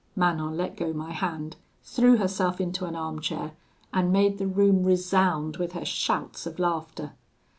"Manon let go my hand, threw herself into an armchair, and made the room resound with her shouts of laughter.